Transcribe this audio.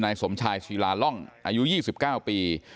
นายสมชายศรีราล่องอายุ๒๙ปี